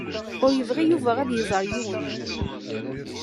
Ur yebɣi Yuba ad iẓeṛ yiwen.